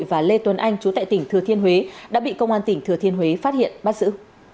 và lê tuấn anh chú tại tỉnh thừa thiên huế đã bị công an tỉnh thừa thiên huế phát hiện bắt giữ